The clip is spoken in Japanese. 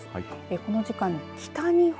この時間、北日本